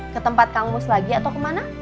ke tempat kang mus lagi atau kemana